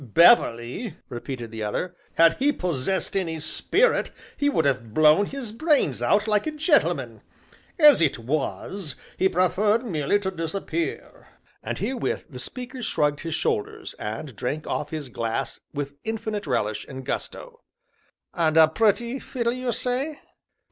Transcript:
"Beverley!" repeated the other; "had he possessed any spirit he would have blown his brains out, like a gentleman; as it was, he preferred merely to disappear," and herewith the speaker shrugged his shoulders, and drank off his glass with infinite relish and gusto. "And a pretty filly, you say?"